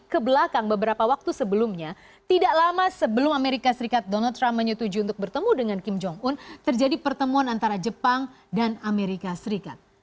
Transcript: kebelakang beberapa waktu sebelumnya tidak lama sebelum amerika serikat donald trump menyetujui untuk bertemu dengan kim jong un terjadi pertemuan antara jepang dan amerika serikat